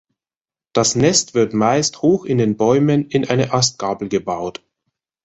Das Nest wird meist hoch in den Bäumen in eine Astgabel gebaut.